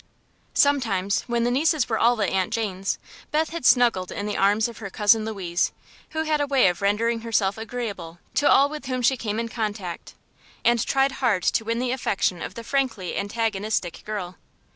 Sometimes, when the nieces were all at Aunt Jane's, Beth had snuggled in the arms of her cousin Louise, who had a way of rendering herself agreeable to all with whom she came in contact, and tried hard to win the affection of the frankly antagonistic girl.